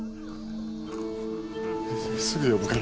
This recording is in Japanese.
すぐ呼ぶから。